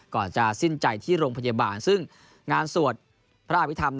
ก่อนจะสิ้นใจที่โรงพยาบาลซึ่งงานสวดพระอาวิทย์ธรรมนะครับ